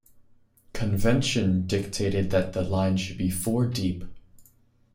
Convention dictated that the line should be four deep.